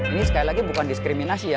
ini sekali lagi bukan diskriminasi ya